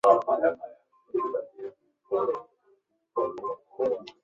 他因为喜爱阿尔达。